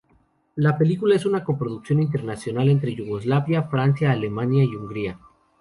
La película es una coproducción internacional entre Yugoslavia, Francia, Alemania y Hungría.